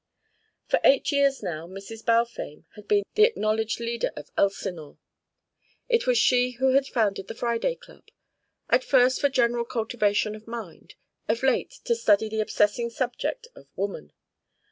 For eight years now, Mrs. Balfame had been the acknowledged leader of Elsinore. It was she who had founded the Friday Club, at first for general cultivation of mind, of late to study the obsessing subject of Woman.